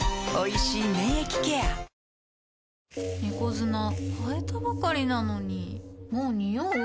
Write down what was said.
猫砂替えたばかりなのにもうニオう？